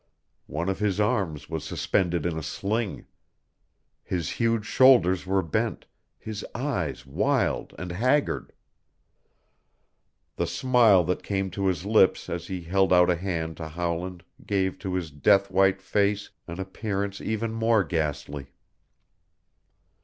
One of his arms was suspended in a sling. His huge shoulders were bent, his eyes wild and haggard. The smile that came to his lips as he held out a hand to Howland gave to his death white face an appearance even more ghastly.